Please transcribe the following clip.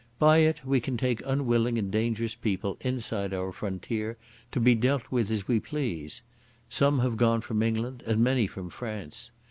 By it we can take unwilling and dangerous people inside our frontier to be dealt with as we please. Some have gone from England and many from France.